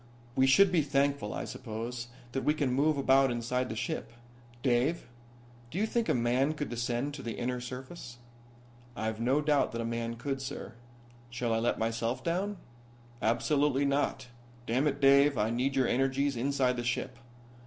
"We should be thankful, I suppose, that we can move about inside the ship. Dave, do you think a man could descend to the inner surface?" "I've no doubt that a man could, sir. Shall I let myself down?" "Absolutely not. Damn it, Dave, I need your energies inside the ship.